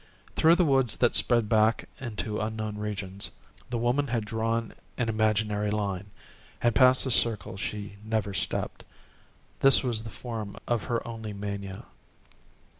Through the woods that spread back into unknown regions the woman had drawn an imaginary line, and past this circle she never stepped. This was the form of her only mania.